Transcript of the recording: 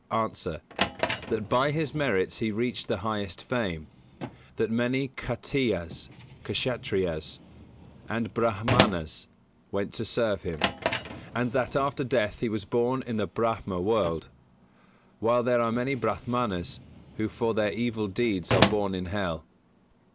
_ A. That by his merits he reached the highest fame; that many Khattiyas (Kshattriyas) and Brāhmanas went to serve him; and that after death he was born in the Brāhma world: while there are many Brāhmanas who for their evil deeds are born in hell.